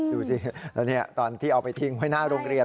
ดูสิแล้วตอนที่เอาไปทิ้งไว้หน้าโรงเรียน